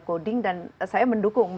coding dan saya mendukung